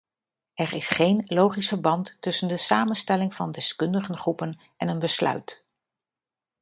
Er is geen logisch verband tussen de samenstelling van deskundigengroepen en een besluit.